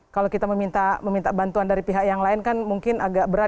kalau kita meminta bantuan dari pihak yang lain kan mungkin agak berat